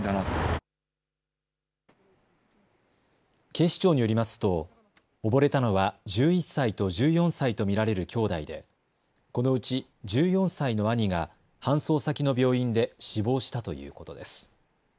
警視庁によりますと溺れたのは１１歳と１４歳と見られる兄弟でこのうち１４歳の兄が搬送先の病院で死亡したということです。